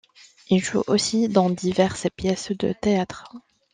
Il joue aussi dans diverses pièces de théâtre.